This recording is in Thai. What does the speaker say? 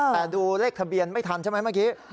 แต่ดูเลขทะเบียนไม่ทันใช่ไหมเมื่อกี้